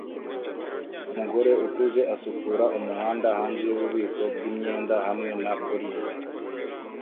Umugore ukuze asukura umuhanda hanze yububiko bwimyenda hamwe na polices